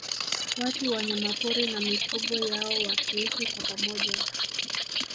Watu Wanyamapori na mifugo yao wakiishi kwa pamoja